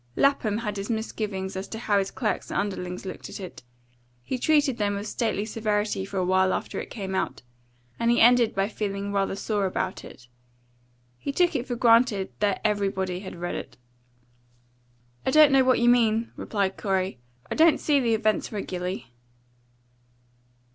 Lapham had his misgivings as to how his clerks and underlings looked at it; he treated them with stately severity for a while after it came out, and he ended by feeling rather sore about it. He took it for granted that everybody had read it. "I don't know what you mean," replied Corey, "I don't see the Events regularly."